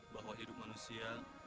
bahwa hidup manusia